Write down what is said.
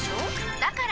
だから！